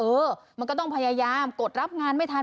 เออมันก็ต้องพยายามกดรับงานไม่ทัน